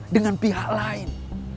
dengan pihak lain